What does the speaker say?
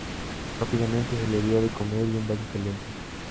Rápidamente se le dio de comer y un baño caliente.